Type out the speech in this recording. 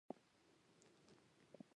هغه په هېڅ نه پوهېږي.